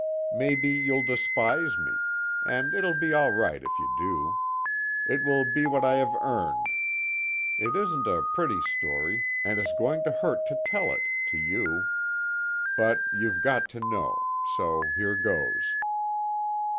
Maybe you'll despise me and it'll be all right if you do. It will be what I have earned. It isn't a pretty story, and it's going to hurt to tell it to you. But, you've got to know so here goes.